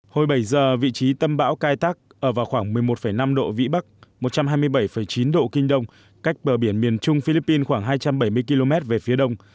hồi bảy giờ vị trí tâm bão cài tắc ở vào khoảng một mươi một năm độ vĩ bắc một trăm hai mươi bảy chín độ kinh đông cách bờ biển miền trung philippines khoảng hai trăm bảy mươi km về phía đông